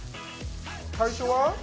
最初は？